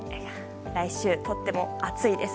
来週とても暑いです。